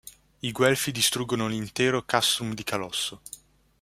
I guelfi distruggono l'intero castrum di Calosso.